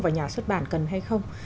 và nhà xuất bản cần hay không